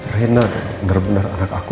reina adalah benar benar anak aku